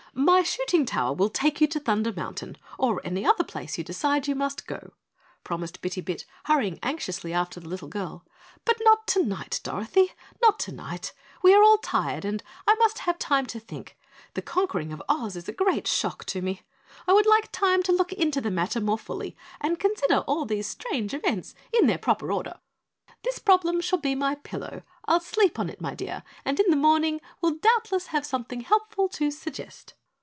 "My shooting tower will take you to Thunder Mountain or any other place you decide you must go," promised Bitty Bit, hurrying anxiously after the little girl, "but not tonight, Dorothy not tonight. We are all tired and I must have time to think. The conquering of Oz is a great shock to me. I would like time to look into the matter more fully and consider all of these strange events in their proper order. This problem shall be my pillow. I'll sleep on it, my dear, and in the morning will doubtless have something helpful to suggest."